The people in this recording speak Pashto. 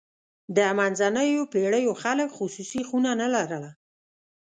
د منځنیو پېړیو خلک خصوصي خونه نه لرله.